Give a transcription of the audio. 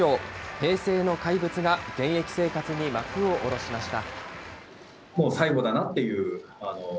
平成の怪物が現役生活に幕を下ろしました。